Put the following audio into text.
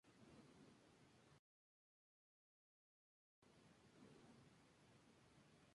Pedagogo musical de excelencia.